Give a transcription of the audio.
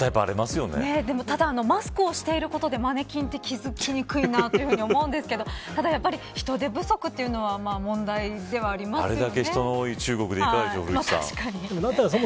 ただマスクをしていることでマネキンと気付きにくいなと思うんですけどただ、人手不足というのは問題ではありますよね。